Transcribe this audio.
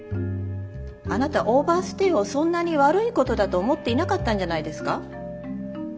あなたオーバーステイをそんなに悪いことだと思っていなかったんじゃないですか？